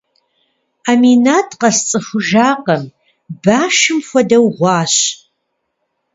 Аминат къэсцӏыхужакъым, башым хуэдэу гъуащ.